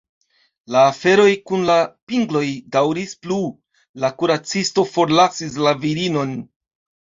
La aferoj kun la pingloj daŭris plu, la kuracisto forlasis la virinon.